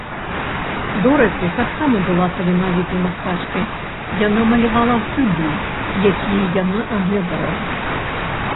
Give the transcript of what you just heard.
Дораці таксама была таленавітай мастачкай, яна малявала грыбы, якія яна аглядала.